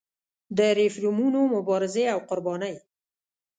د ریفورمونو مبارزې او قربانۍ.